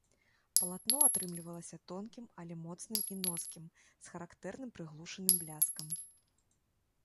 Палатно атрымлівалася тонкім, але моцным і носкім, з характэрным прыглушаным бляскам.